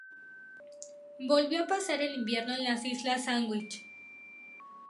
Volvió a pasar el invierno en las islas Sandwich.